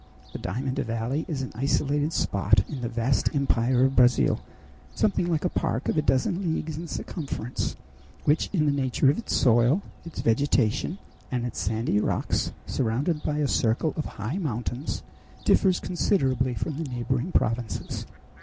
The diamond valley is an isolated spot in the vast empire of Brazil, something like a park of a dozen leagues in circumference, which in the nature of its soil, its vegetation, and its sandy rocks surrounded by a circle of high mountains, differs considerably from the neighboring provinces.